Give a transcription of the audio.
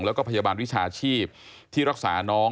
แล้วก็พยาบาลวิชาชีพที่รักษาน้อง